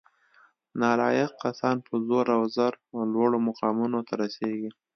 نالایق کسان په زور او زر لوړو مقامونو ته رسیږي